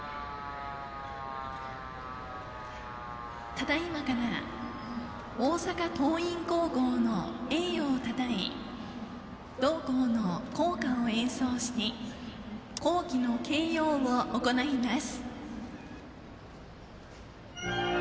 ただ今から大阪桐蔭高校の栄誉をたたえ同校の校歌を演奏して校旗の掲揚を行います。